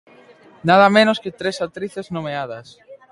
Nada menos que tres actrices nomeadas.